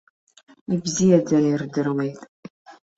Ибзиаӡаны ирдыруеит.